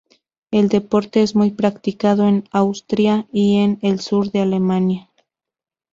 El deporte es muy practicado en Austria y en el sur de Alemania.